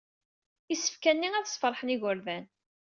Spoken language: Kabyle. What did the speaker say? Isefka-nni ad sfeṛḥen igerdan.